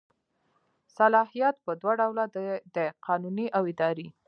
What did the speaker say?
صلاحیت په دوه ډوله دی قانوني او اداري.